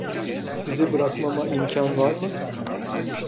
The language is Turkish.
Sizi bırakmama imkân var mı?